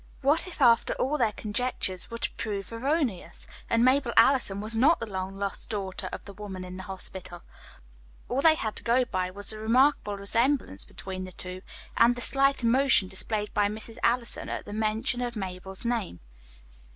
What if after all their conjectures were to prove erroneous, and Mabel Allison was not the long lost daughter of the woman in the hospital? All they had to go by was the remarkable resemblance between the two, and the slight emotion displayed by Mrs. Allison at the mention of Mabel's name.